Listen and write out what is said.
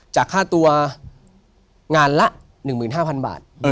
จากค่าตัวงานละ๑๕๐๐๐บาท